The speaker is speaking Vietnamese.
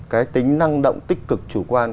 cái tính năng động tích cực chủ quan